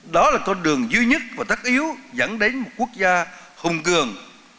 đó là con đường duy nhất và tắc yếu dẫn đến một quốc gia hùng cường